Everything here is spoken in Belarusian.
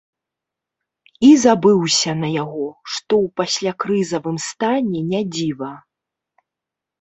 І забыўся на яго, што ў паслякрызавым стане не дзіва.